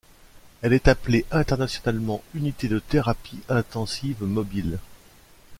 Elle est appelée internationalement Unité de thérapie intensive mobile.